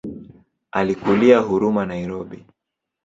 Alikulia Huruma Nairobi.